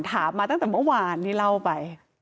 ถามมาตั้งแต่เมื่อวานที่เล่าไป